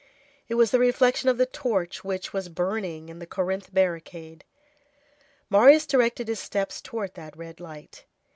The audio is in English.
It was the reflection of the torch which was burning in the Corinthe barricade. Marius directed his steps towards that red light.